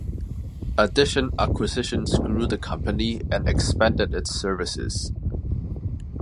Addition acquisitions grew the company and expanded its services.